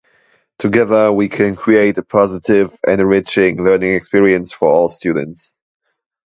Together, we can create a positive and enriching learning experience for all students.